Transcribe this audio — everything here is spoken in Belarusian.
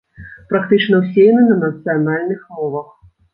Практычна ўсе яны на нацыянальных мовах.